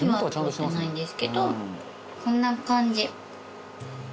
こんな感じ。